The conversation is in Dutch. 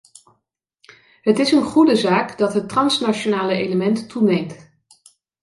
Het is een goede zaak dat het transnationale element toeneemt.